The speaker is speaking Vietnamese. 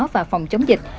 và phòng chống dịch